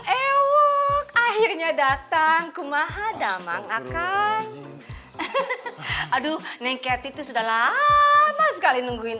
akhirnya datang kemahadaman akan aduh nengket itu sudah lama sekali nungguin